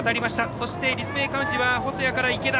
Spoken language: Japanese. そして立命館宇治は細谷から池田。